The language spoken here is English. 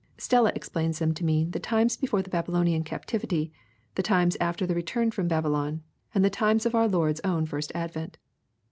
— Stella explains them to mean the times before the Babylonian captivity, the times after the return from Babylon, and the times of our Lord's own first advent.